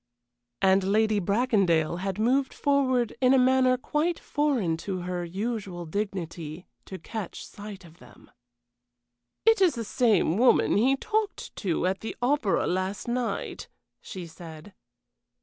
And Lady Bracondale had moved forward in a manner quite foreign to her usual dignity to catch sight of them. "It is the same woman he talked to at the opera last night," she said.